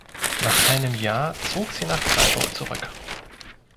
Nach einem Jahr zog sie nach Freiburg zurück.